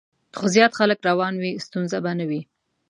خو زیات خلک روان وي، ستونزه به نه وي.